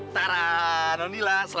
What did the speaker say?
taraaa donila selamat berjalan